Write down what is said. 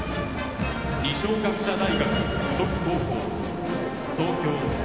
二松学舎大学付属高校・東京。